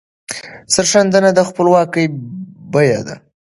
سرښندنه د خپلواکۍ بیه ده.